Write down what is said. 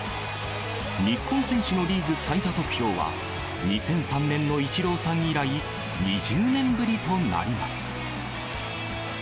日本選手のリーグ最多得票は、２００３年のイチローさん以来、２０年ぶりとなります。